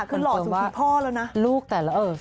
คือหล่อสูงถึงพ่อแล้วนะ